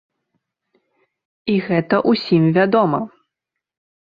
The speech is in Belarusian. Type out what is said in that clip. І гэта ўсім вядома.